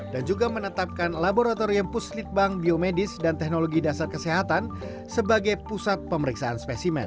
dan juga menetapkan laboratorium puslitbang biomedis dan teknologi dasar kesehatan sebagai pusat pemeriksaan spesimen